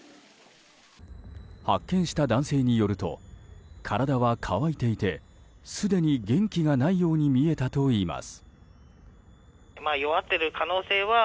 発見した男性によると体は乾いていてすでに元気がないように見えたといいます。